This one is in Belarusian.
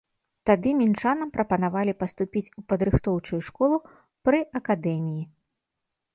Тады мінчанам прапанавалі паступіць у падрыхтоўчую школу пры акадэміі.